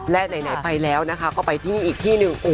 และไหนไปแล้วก็ไปที่นี่อีกที่หนึ่ง